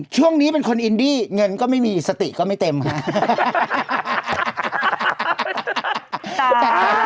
ช่วงนี้เป็นคนอินดี้เงินก็ไม่มีสติก็ไม่เต็มค่ะ